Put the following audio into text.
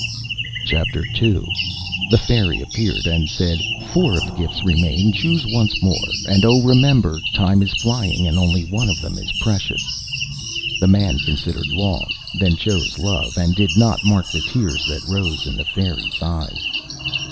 Chapter II The fairy appeared, and said: "Four of the gifts remain. Choose once more; and oh, remember time is flying, and only one of them is precious." The man considered long, then chose Love; and did not mark the tears that rose in the fairy's eyes.